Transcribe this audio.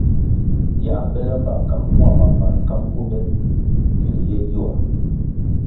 Yā bele mbpa kag mua mabar ka nkunde pil ye gyoa.